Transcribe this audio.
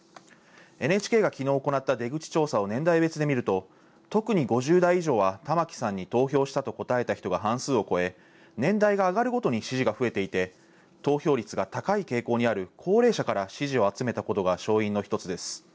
ＮＨＫがきのう行った出口調査を年代別で見ると、特に５０代以上は玉城さんに投票したと答えた人が半数を超え、年代が上がるごとに支持が増えていて、投票率が高い傾向にある高齢者から支持を集めたことが勝因の１つです。